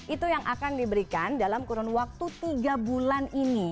itu yang akan diberikan dalam kurun waktu tiga bulan ini